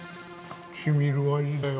しみる味だよ